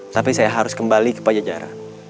tapi saya harus kembali ke pajajaran